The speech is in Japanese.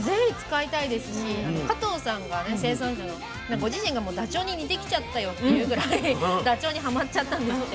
ご自身がダチョウに似てきちゃったよっていうぐらいダチョウにはまっちゃったんですって。